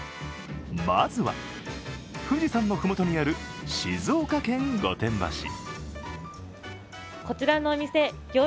まずは、富士山の麓にある静岡県御殿場市。